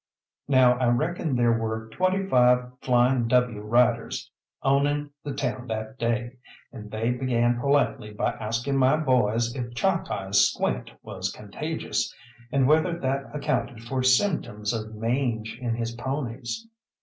Now I reckon there were twenty five Flying W. riders owning the town that day, and they began politely by asking my boys if Chalkeye's squint was contagious, and whether that accounted for symptoms of mange in his ponies.